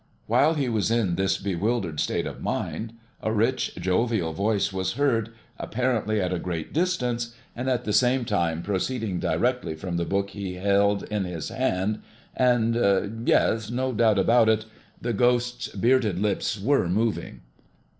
While he was in this bewildered state of mind a rich, jovial voice was heard, apparently at a great distance, and at the same time proceeding directly from the book he held in his hand; and yes, no doubt about it the Ghost's bearded lips were moving.